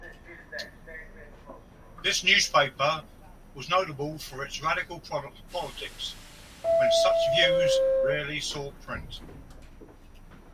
This newspaper was notable for its radical politics when such views rarely saw print.